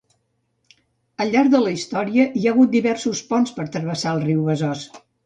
Al llarg de la història hi ha hagut diversos ponts per travessar el riu Besòs.